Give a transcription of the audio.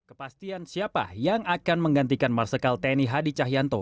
kepastian siapa yang akan menggantikan marsikal tni hadi cahyanto